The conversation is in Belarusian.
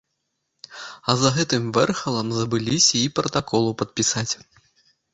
А за гэтым вэрхалам забыліся й пратаколу падпісаць.